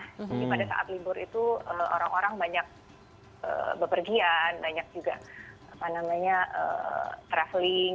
jadi pada saat libur itu orang orang banyak bepergian banyak juga traveling